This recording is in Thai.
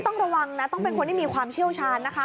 ต้องระวังนะต้องเป็นคนที่มีความเชี่ยวชาญนะคะ